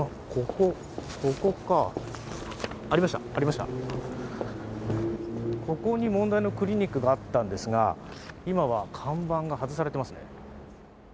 ここに問題のクリニックがあったんですが今は看板が外されてますね。